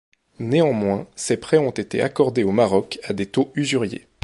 Néanmoins, ces prêts ont été accordés au Maroc à des taux usuriers.